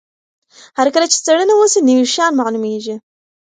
هر کله چې څېړنه وسي نوي شیان معلومیږي.